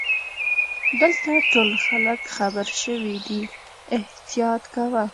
دلته ټول خلګ خبرشوي دي احتیاط کوه.